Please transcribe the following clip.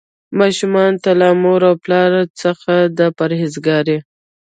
ماشومانو ته له مور او پلار څخه د پرهیزګارۍ.